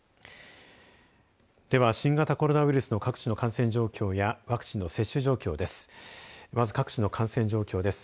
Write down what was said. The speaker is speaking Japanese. では新型コロナウイルスの各地の感染状況やワクチンの接種状況です。